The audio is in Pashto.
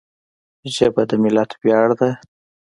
ژبه د ملت ویاړ ده